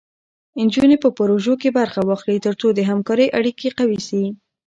نجونې په پروژو کې برخه واخلي، تر څو د همکارۍ اړیکې قوي شي.